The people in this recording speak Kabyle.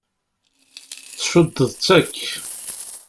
Tcuddeḍ-tt akk!